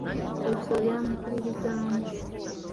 Ebisolo byamukkiririzaamu.